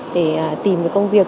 để tìm công việc